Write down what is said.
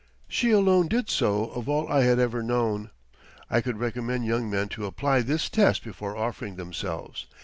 She alone did so of all I had ever known. I could recommend young men to apply this test before offering themselves.